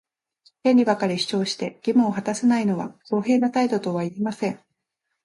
権利ばかり主張して、義務を果たさないのは公平な態度とは言えません。